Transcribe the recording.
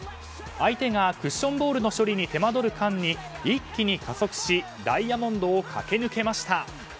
相手がクッションボールの処理に手間どる間に一気に加速しダイヤモンドを駆け抜けました。